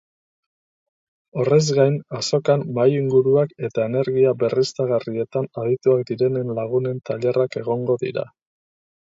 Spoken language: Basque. Horrez gain azokan mahainguruak eta energia berriztagarrietan adituak direnen lagunen tailerrak egongo dira.